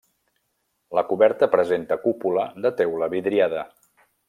La coberta presenta cúpula de teula vidriada.